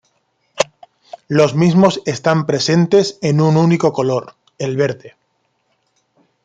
Los mismos están presentes en un único color, el verde.